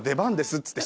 っつって